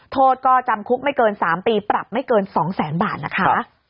โทษก็จำคุกไม่เกิน๓ปีปรับไม่เกิน๒แสนบาทนะคะ